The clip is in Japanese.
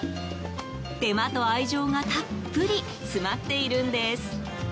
手間と愛情がたっぷり詰まっているんです。